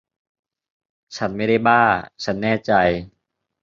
ฉันไม่ได้บ้า ฉันแน่ใจ